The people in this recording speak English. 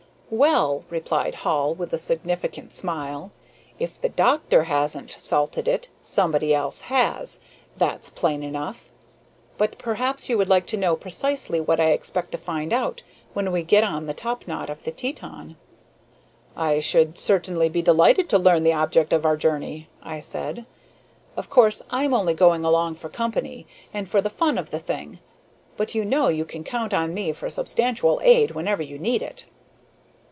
"Well," replied Hall, with a significant smile, "if the doctor hasn't salted it somebody else has, that's plain enough. But perhaps you would like to know precisely what I expect to find out when we get on the topknot of the Teton." "I should certainly be delighted to learn the object of our journey," I said. "Of course, I'm only going along for company and for the fun of the thing; but you know you can count on me for substantial aid whenever you need it."